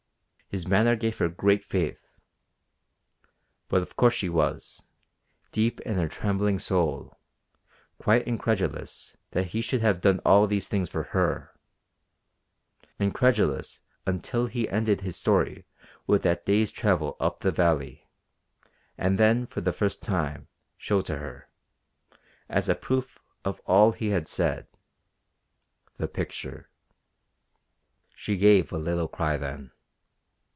His manner gave her great faith. But of course she was, deep in her trembling soul, quite incredulous that he should have done all these things for her incredulous until he ended his story with that day's travel up the valley, and then, for the first time, showed to her as a proof of all he had said the picture. She gave a little cry then.